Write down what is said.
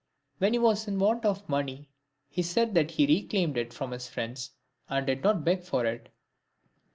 When he was in want of money, he said that he reclaimed it from his friends and did not beg for it.